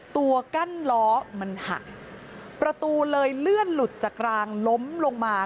ตัวกั้นล้อมันหักประตูเลยเลื่อนหลุดจากรางล้มลงมา